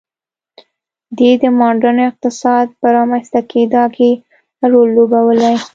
دې د ماډرن اقتصاد په رامنځته کېدا کې کم رول لوبولی.